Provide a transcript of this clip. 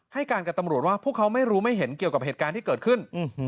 ให้การกับตำรวจว่าพวกเขาไม่รู้ไม่เห็นเกี่ยวกับเหตุการณ์ที่เกิดขึ้น